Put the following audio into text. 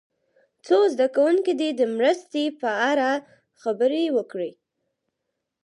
څو زده کوونکي دې د مرستې په اړه خبرې وکړي.